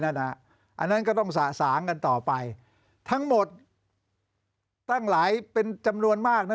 อันนั้นก็ต้องสะสางกันต่อไปทั้งหมดตั้งหลายเป็นจำนวนมากนะ